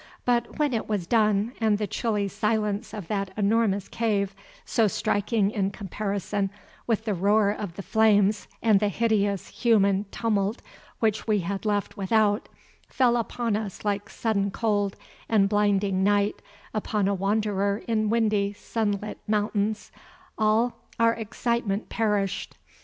But when it was done, and the chilly silence of that enormous cave, so striking in comparison with the roar of the flames and the hideous human tumult which we had left without, fell upon us like sudden cold and blinding night upon a wanderer in windy, sunlit mountains, all our excitement perished.